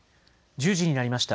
１０時になりました。